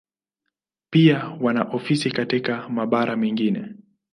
Pia wana ofisi katika mabara mengine.